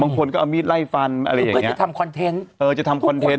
บางคนก็เอามีดไล่ฟันอะไรอย่างเงี้เพื่อจะทำคอนเทนต์เออจะทำคอนเทนต